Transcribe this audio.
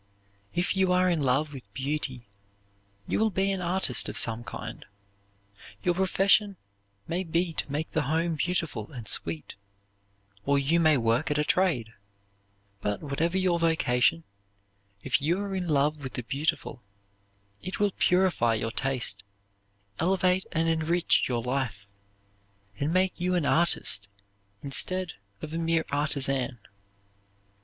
If you are in love with beauty you will be an artist of some kind. Your profession may be to make the home beautiful and sweet, or you may work at a trade; but whatever your vocation, if you are in love with the beautiful, it will purify your taste, elevate and enrich your life, and make you an artist instead of a mere artisan.